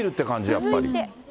やっぱり。